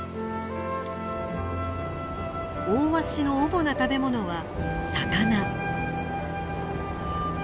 オオワシの主な食べ物は魚。